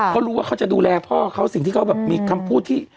เขารู้ว่าเขาจะดูแลพ่อเขาสิ่งที่เขาแบบมีคำพูดที่